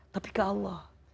tapi ke allah